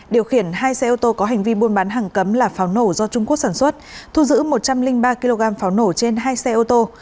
điều khiển hai xe ô tô có hành vi buôn bán hàng cấm là pháo nổ do trung quốc sản xuất thu giữ một trăm linh ba kg pháo nổ trên hai xe ô tô